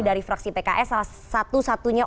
dari fraksi pks salah satu satunya